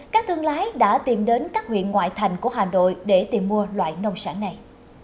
các thương lái đã tìm đến các huyện ngoại thành của hà nội để tìm mua loại nông sản này